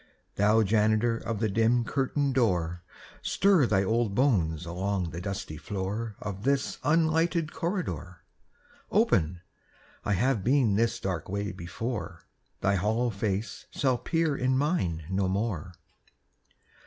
Thou janitor Of the dim curtained door, Stir thy old bones along the dusty floor Of this unlighted corridor. Open! I have been this dark way before; Thy hollow face shall peer In mine no more.